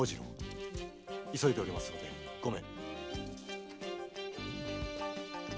急いでおりますので御免。